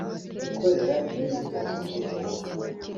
ikorera imyitozo muri Kenya